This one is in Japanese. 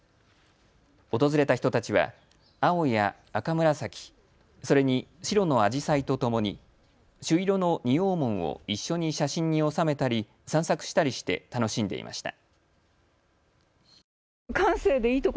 訪れた人たちは、青や赤紫、それに白のアジサイとともに、朱色の仁王門を一緒に写真に収めたり、散策したりして楽しんでいました。